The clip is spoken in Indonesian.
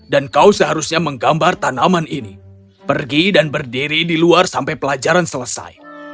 dan kau seharusnya menggambar tanaman ini pergi dan berdiri di luar sampai pelajaran selesai